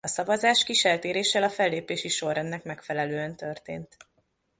A szavazás kis eltéréssel a fellépési sorrendnek megfelelően történt.